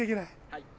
はい。